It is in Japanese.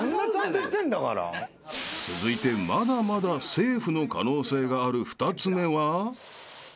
［続いてまだまだセーフの可能性がある］